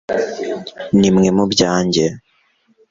nimwe mubyanjye